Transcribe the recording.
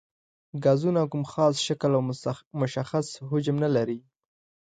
ګازونه کوم خاص شکل او مشخص حجم نه لري.